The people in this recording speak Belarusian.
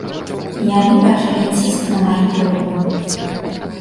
Яны пачалі ціск на маіх родных.